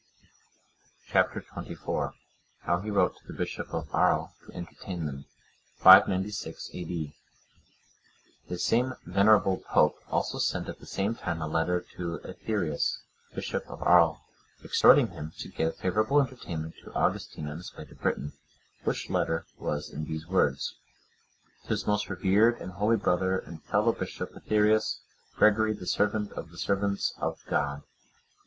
(106) Chap. XXIV. How he wrote to the bishop of Arles to entertain them. [596 A.D.] The same venerable pope also sent at the same time a letter to Aetherius, archbishop of Arles,(107) exhorting him to give favourable entertainment to Augustine on his way to Britain; which letter was in these words: "_To his most reverend and holy brother and fellow bishop Aetherius, Gregory, the servant of the servants of God.